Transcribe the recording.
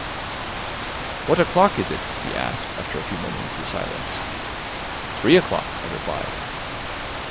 "What o'clock is it?" he asked after a few moments of silence. "Three o'clock," I replied.